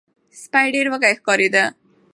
سپی ډیر وږی ښکاریده.